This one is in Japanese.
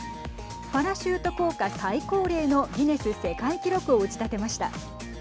パラシュート降下最高齢のギネス世界記録を打ち立てました。